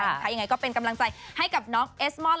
ยังไงก็เป็นกำลังใจให้กับน้องเอสมอน